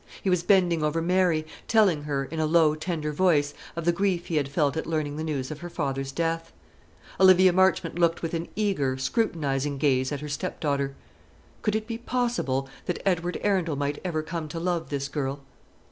He was bending over Mary, telling her, in a low tender voice, of the grief he had felt at learning the news of her father's death. Olivia Marchmont looked with an eager, scrutinising gaze at her stepdaughter. Could it be possible that Edward Arundel might ever come to love this girl?